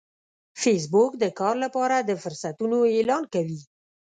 فېسبوک د کار لپاره د فرصتونو اعلان کوي